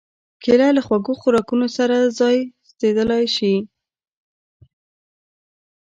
کېله له خوږو خوراکونو سره ځایناستېدای شي.